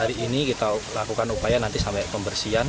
jadi ini kita lakukan upaya nanti sampai pembersihan